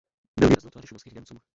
Byl výraznou tváří šumavských Němců.